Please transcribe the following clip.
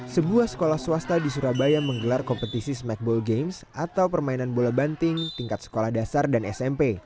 sebuah sekolah swasta di surabaya menggelar kompetisi smackball games atau permainan bola banting tingkat sekolah dasar dan smp